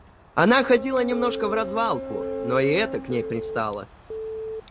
Она ходила немножко вразвалку, но и это к ней пристало.